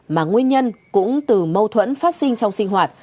mà nguyên nhân cũng từ mâu thuẫn phát sinh trong sinh hoạt